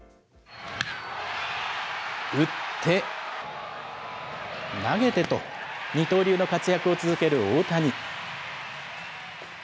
打って、投げてと、二刀流の活躍を続ける大谷。